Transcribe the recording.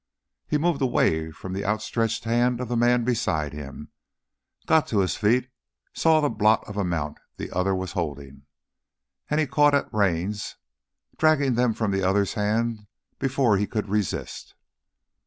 He moved away from the outstretched hand of the man beside him, got to his feet, saw the blot of a mount the other was holding. And he caught at reins, dragged them from the other's hand before he could resist.